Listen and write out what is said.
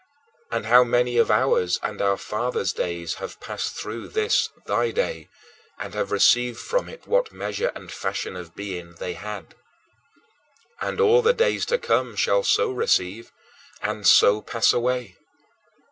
And how many of ours and our fathers' days have passed through this thy day and have received from it what measure and fashion of being they had? And all the days to come shall so receive and so pass away.